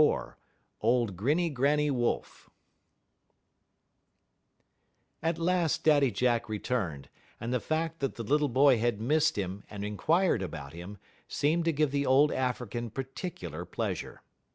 LIV OLD GRINNY GRANNY WOLF At last Daddy Jack returned, and the fact that the little boy had missed him and inquired about him, seemed to give the old African particular pleasure.